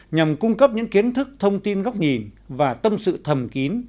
nhằm cung cấp những kiến thức thông tin góc nhìn và tâm sự thầm kín